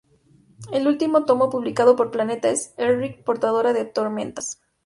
El último tomo publicado por Planeta es "Elric: Portadora de Tormentas".